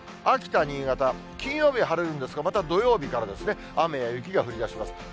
秋田、新潟、金曜日は晴れるんですが、また土曜日から雨や雪が降りだします。